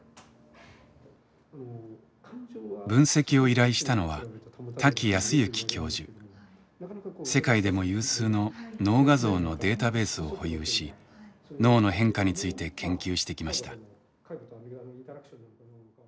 分析を依頼したのは世界でも有数の脳画像のデータベースを保有し脳の変化について研究してきました。